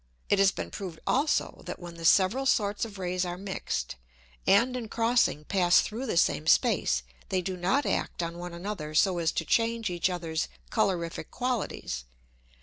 It has been proved also, that when the several sorts of Rays are mixed, and in crossing pass through the same space, they do not act on one another so as to change each others colorific qualities.